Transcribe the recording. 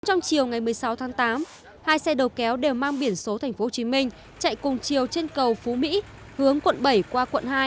trong chiều ngày một mươi sáu tháng tám hai xe đầu kéo đều mang biển số tp hcm chạy cùng chiều trên cầu phú mỹ hướng quận bảy qua quận hai